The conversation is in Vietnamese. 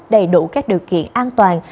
đầy đủ các điều kiện an toàn